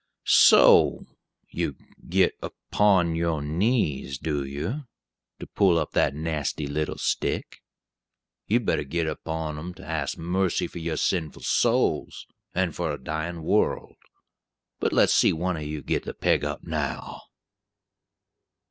"So you git upon your knees, do you, to pull up that nasty little stick! You'd better git upon 'em to ask mercy for your sinful souls and for a dyin' world. But let's see one o' you git the peg up now."